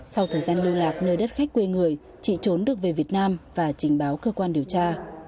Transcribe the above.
sau thời gian lưu lạc nơi đất khách quê người chị trốn được về việt nam và trình báo cơ quan điều tra